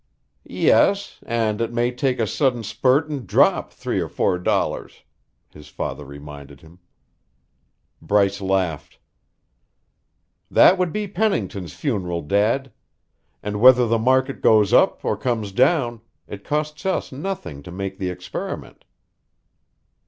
"Yes and it may take a sudden spurt and drop three or four dollars," his father reminded him. Bryce laughed. "That would be Pennington's funeral, Dad. And whether the market goes up or comes down, it costs us nothing to make the experiment."